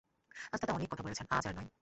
আজ দাদা অনেক কথা বলেছেন, আজ আর নয়।